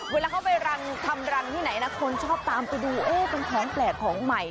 เวลาเขาไปรังทำรังที่ไหนนะคนชอบตามไปดูเป็นของแปลกของใหม่